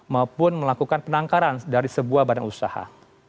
maupun melakukan penangkaran dari sebuah badan usaha